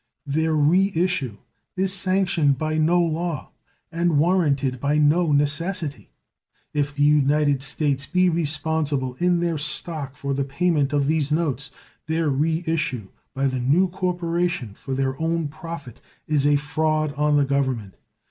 Their re issue is sanctioned by no law and warranted by no necessity. If the United States be responsible in their stock for the payment of these notes, their re issue by the new corporation for their own profit is a fraud on the Government.